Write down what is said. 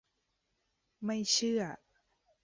ไม่เชื่อ !